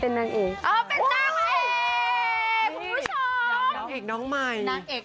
เป็นจ้างพาเอก